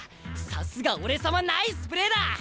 さすが俺様ナイスプレーだ！